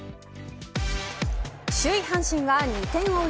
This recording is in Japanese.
首位阪神は２点を追う